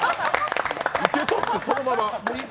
受け取って、そのまま。